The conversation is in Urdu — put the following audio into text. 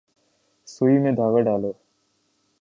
سوئی میں دھاگہ ڈالو